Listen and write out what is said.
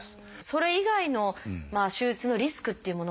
それ以外の手術のリスクっていうものはありますか？